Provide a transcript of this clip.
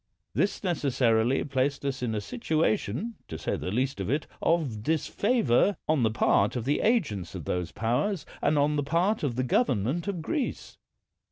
This necessarily placed us in a situation, to say the least of it, of disfavor on the part of the agents of those powers and on the part of the government of Greece.